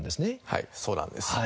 はいそうなんです。